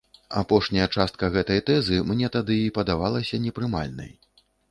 Апошняя частка гэтай тэзы мне тады і падавалася непрымальнай.